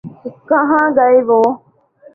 کہاں گئے وہ؟